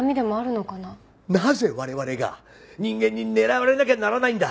なぜ我々が人間に狙われなきゃならないんだ。